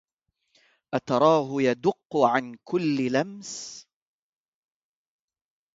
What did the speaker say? أتراه يدق عن كل لمس